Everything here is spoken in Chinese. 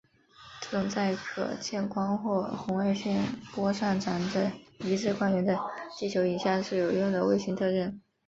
这种在可见光或红外线波长上有着一致光源的地球影像是有用的卫星特征。